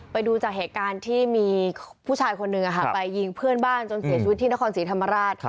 ไปดูจากเหตุการณ์ที่มีผู้ชายคนหนึ่งไปยิงเพื่อนบ้านจนเสียชีวิตที่นครศรีธรรมราช